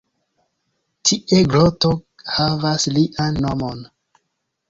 Tie groto havas lian nomon.